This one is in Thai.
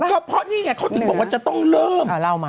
ก็เพราะนี่ไงเขาถึงบอกว่าจะต้องเริ่ม